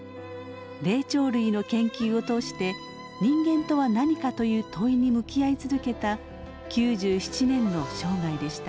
霊長類の研究を通して人間とは何かという問いに向き合い続けた９７年の生涯でした。